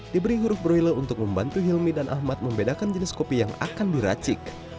diberi huruf broille untuk membantu hilmi dan ahmad membedakan jenis kopi yang akan diracik